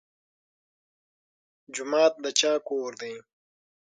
جومات د چا کور دی؟